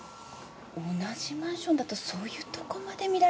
同じマンションだとそういうとこまで見られちゃうんだ。